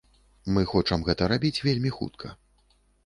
Мы хочам гэта рабіць вельмі хутка.